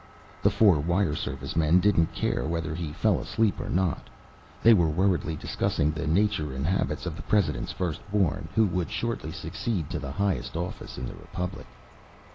The four wire service men didn't care whether he fell asleep or not; they were worriedly discussing the nature and habits of the President's first born, who would shortly succeed to the highest office in the Republic.